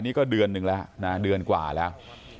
นี่ก็เดือนหนึ่งแล้วนะเดือนกว่าแล้ว